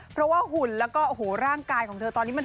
เพราะว่าหุ่นแล้วก็โอ้โหร่างกายของเธอตอนนี้มัน